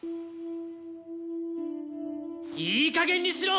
いいかげんにしろ。